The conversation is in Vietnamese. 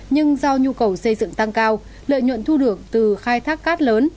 nhưng do nhu cầu xây dựng tăng cao lợi nhuận thu được từ khai thác cát lớn